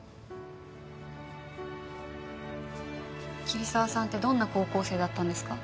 桐沢さんってどんな高校生だったんですか？